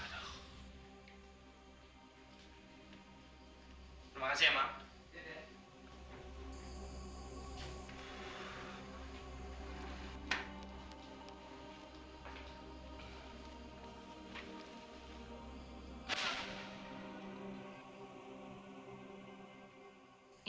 terima kasih emang